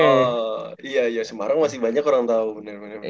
iya iya semarang masih banyak orang tau bener bener